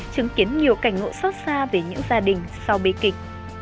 chứng kiến nhiều cảnh ngộ xót xa về những gia đình sau bi kịch